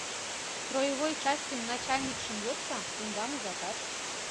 Строевой частьын начальникшым йодса, тендам ужатат.